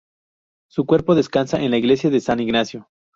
Su cuerpo descansa en la Iglesia de San Ignacio